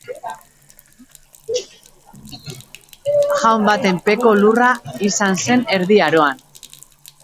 Jaun baten peko lurra izan zen Erdi Aroan.